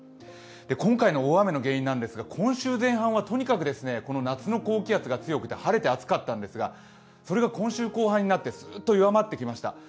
今回の大雨の原因なんですが今週前半はとにかく夏の高気圧が発達して晴れて暑かったんですが、それが今週後半になってすっと弱まってきました。